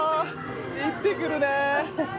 いってくるね！